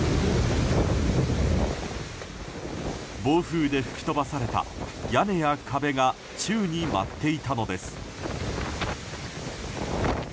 暴風で吹き飛ばされた屋根や壁が宙に舞っていたのです。